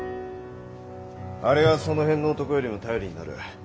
あれはその辺の男よりも頼りになる。